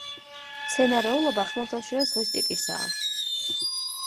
მცენარეულობა ხმელთაშუა ზღვის ტიპისაა.